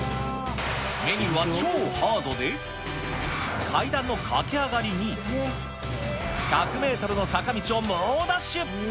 メニューは超ハードで、階段の駆け上がりに、１００メートルの坂道を猛ダッシュ。